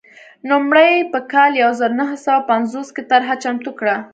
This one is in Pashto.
نوموړي په کال یو زر نهه سوه پنځوس کې طرحه چمتو کړه.